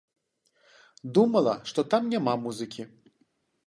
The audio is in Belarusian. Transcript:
Думала, што там няма музыкі.